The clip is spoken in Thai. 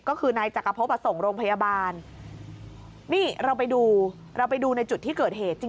ก็คือนายจักรพบส่งโรงพยาบาลนี่เราไปดูเราไปดูในจุดที่เกิดเหตุ